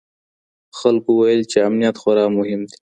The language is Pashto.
خلکو ويل چې امنيت خورا مهم دی.